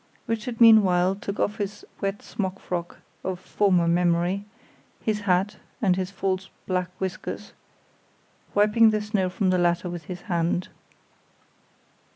Richard meanwhile took off his wet smock frock of former memory his hat, and his false black whiskers, wiping the snow from the latter with his hand.